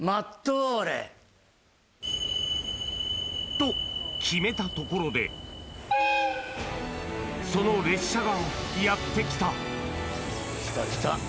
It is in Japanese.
と決めたところでその列車がやって来た来た来た。